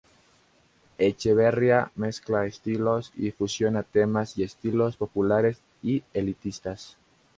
Echeverría mezcla estilos, y fusiona temas y estilos populares y elitistas.